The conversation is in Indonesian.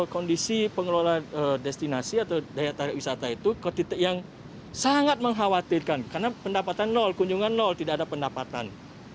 kondisi pengelola destinasi atau daya tarik wisata itu ke titik yang sangat mengkhawatirkan karena pendapatan nol kunjungan nol tidak ada pendapatan